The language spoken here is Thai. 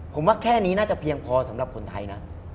ผมว่าแค่นี้น่าจะเพียงพอสำหรับคนไทยนะ